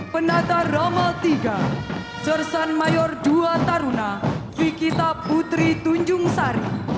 pendata roma tiga sersan mayor dua taruna fikita putri tunjung sari